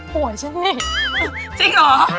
หัวใช่มั้ยจริงเหรอ